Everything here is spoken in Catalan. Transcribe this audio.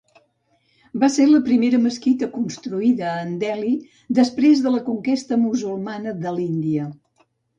Va ser la primera mesquita construïda en Delhi després de la conquesta musulmana de l'Índia.